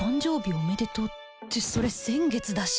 おめでとうってそれ先月だし